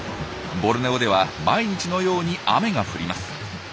ボルネオでは毎日のように雨が降ります。